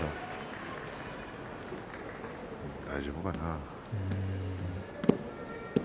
大丈夫かな。